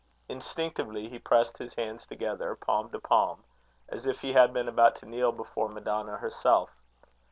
Instinctively he pressed his hands together, palm to palm, as if he had been about to kneel before Madonna herself.